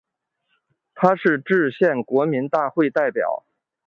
他是制宪国民大会代表。